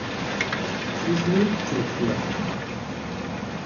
S yisem i yi-d-ttmektiɣ.